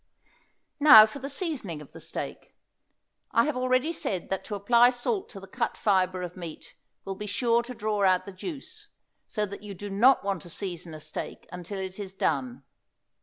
Now for the seasoning of the steak. I have already said that to apply salt to the cut fibre of meat will be sure to draw out the juice, so that you do not want to season a steak until it is done.